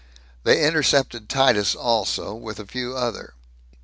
They intercepted Titus also, with a few other.